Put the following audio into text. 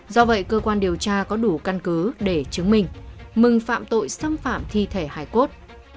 do vậy cơ quan điều tra có đủ căn cứ để chứng minh mừng phạm tội xâm phạm thi thể hải cốt